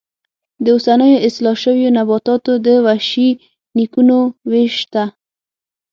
د اوسنیو اصلاح شویو نباتاتو د وحشي نیکونو وېش شته.